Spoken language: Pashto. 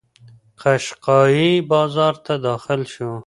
قشقایي بازار ته داخل شو.